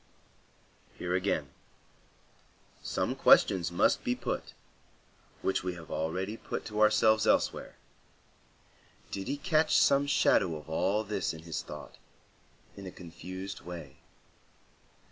Here, again, some questions must be put, which we have already put to ourselves elsewhere: did he catch some shadow of all this in his thought, in a confused way?